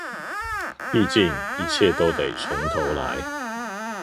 畢竟一切都得從頭來